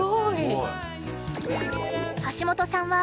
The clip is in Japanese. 橋本さんは